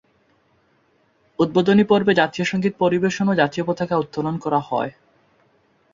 উদ্বোধনী পর্বে জাতীয় সংগীত পরিবেশন ও জাতীয় পতাকা উত্তোলন করা হয়।